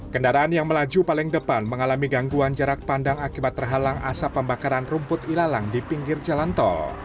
kendaraan yang melaju paling depan mengalami gangguan jarak pandang akibat terhalang asap pembakaran rumput ilalang di pinggir jalan tol